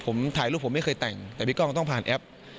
ผมถ่ายรูปผมไม่เคยแต่งแต่พี่ก้องต้องผ่านแอป